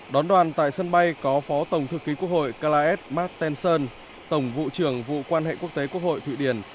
đón đoàn tại sân bay có phó tổng thực ký quốc hội kalaes mark tenson tổng vụ trưởng vụ quan hệ quốc tế quốc hội thụy điển